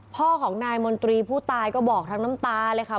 พ่อของนายมนตรีผู้ตายก็บอกทั้งน้ำตาเลยค่ะ